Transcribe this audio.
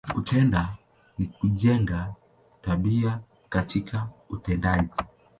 Kutenda, ni kujenga, tabia katika utendaji.